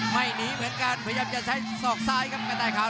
หนีเหมือนกันพยายามจะใช้ศอกซ้ายครับกระต่ายขาว